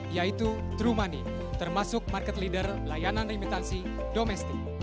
yaitu true money termasuk market leader layanan remitansi domestik